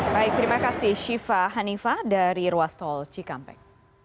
baik terima kasih syifa hanifah dari ruas tol cikampek